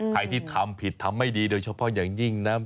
ใครที่ทำผิดทำไม่ดีโดยเฉพาะอย่างยิ่งนะ